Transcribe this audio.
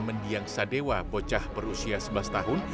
mendiang sadewa bocah berusia sebelas tahun